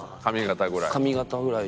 髪形ぐらい？